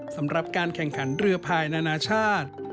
สำหรับการแข่งขันเรือภายนานาชาติ